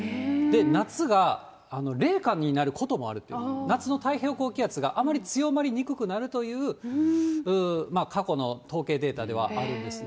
夏が冷夏になることもあるという、夏の太平洋高気圧が、あまり強まりにくくなるという過去の統計データではあるんですね。